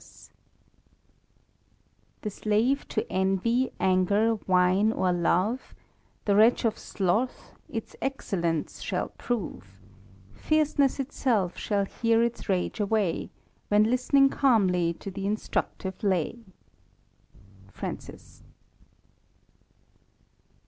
•* The slave to envy, anger, wine, or love, The wretch of sloth, its excellence shall prove ; Fierceness itself shall hear its rage away. When listening calmly to th' instructive lay." Francis.